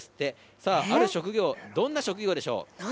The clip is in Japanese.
さあ、ある職業、どんな職業でし何？